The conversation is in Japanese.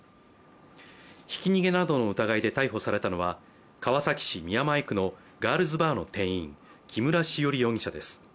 ひき逃げなどの疑いで逮捕されたのは川崎市宮前区のガールズバーの店員、木村栞容疑者です。